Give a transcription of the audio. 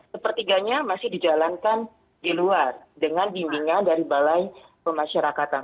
sepertiganya masih dijalankan di luar dengan bimbingan dari balai pemasyarakatan